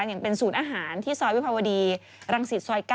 อย่างเป็นศูนย์อาหารที่ซอยวิภาวดีรังสิตซอย๙